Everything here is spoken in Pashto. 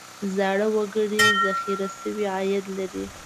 زاړه وګړي ذخیره شوی عاید لري.